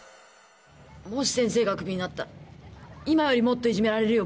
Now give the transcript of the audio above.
もし先生がクビになったら今よりもっといじめられるよ